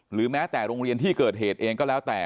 หรือแม้แต่โรงเรียนที่เกิดเหตุเองก็แล้วแต่